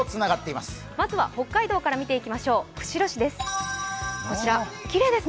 まずは北海道から見ていきましょう、釧路市です。